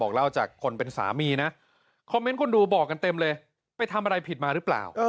เล่าจากคนเป็นสามีนะคอมเมนต์คนดูบอกกันเต็มเลยไปทำอะไรผิดมาหรือเปล่า